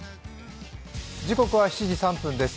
時刻は７時３分です。